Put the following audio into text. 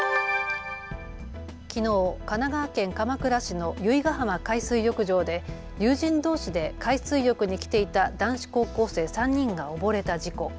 きのう神奈川県鎌倉市の由比ガ浜海水浴場で友人どうしで海水浴に来ていた男子高校生３人が溺れた事故。